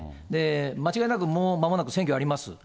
間違いなく、もうまもなく選挙あります。